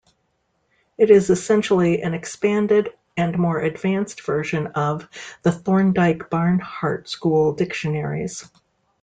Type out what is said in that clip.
It is essentially an expanded and more advanced version of the Thorndike-Barnhart school dictionaries.